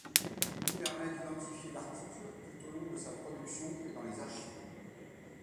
Il permet d'identifier l'article tout au long de sa production et dans les archives.